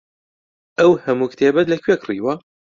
ئەو هەموو کتێبەت لەکوێ کڕیوە؟